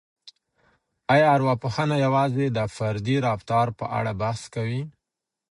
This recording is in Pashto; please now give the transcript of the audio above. آیا ارواپوهنه یوازې د فردي رفتار په اړه بحث کوي؟